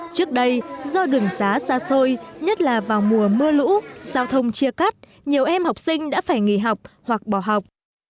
trước đây do đường xá xa xôi nhất là vào mùa mưa lũ giao thông chia cắt nhiều em học sinh đã phải nghỉ học hoặc bỏ học